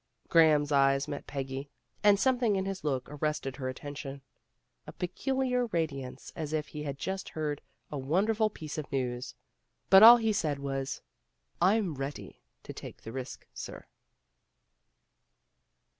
'' Graham's eyes met Peggy's and something in his look arrested her attention, a peculiai radiance as if he had just heard a wonderful piece of news. But all he said was, "Pn ready to take the risk, sir."